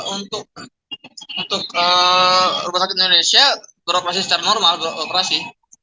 untuk rumah sakit indonesia beroperasi secara normal beroperasi